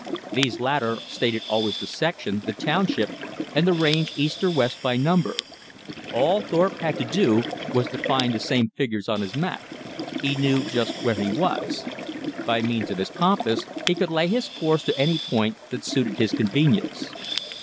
These latter stated always the section, the township, and the range east or west by number. All Thorpe had to do was to find the same figures on his map. He knew just where he was. By means of his compass he could lay his course to any point that suited his convenience.